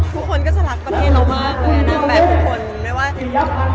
ทุกคนก็จะรักประเทศเรามาย